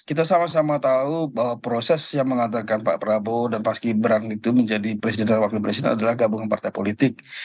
kita sama sama tahu bahwa proses yang mengantarkan pak prabowo dan mas gibran itu menjadi presiden dan wakil presiden adalah gabungan partai politik